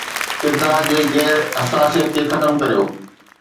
ڪردار جي غير حساسيت کي ختم ڪريو